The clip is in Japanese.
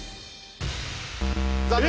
残念。